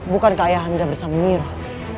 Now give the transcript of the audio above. bukankah ayahanda bersama nyiroh